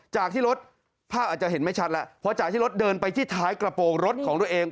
จากที่รถภาพอาจจะเห็นไม่ชัดแล้วเพราะจากที่รถเดินไปที่ท้ายกระโปรงรถของตัวเอง